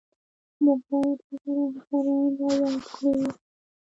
موږ بايد هغه رهبران را ياد کړو.